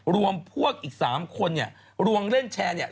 รวมพวกอีก๓คนเนี่ยรวมเล่นแชร์เนี่ย